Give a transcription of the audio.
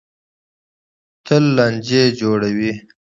تل لانجې جوړوي.